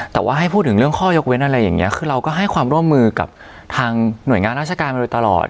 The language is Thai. แต่ว่าให้พูดถึงเรื่องข้อยกเว้นอะไรอย่างนี้คือเราก็ให้ความร่วมมือกับทางหน่วยงานราชการมาโดยตลอด